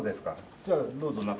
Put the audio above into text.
じゃあどうぞ中入って。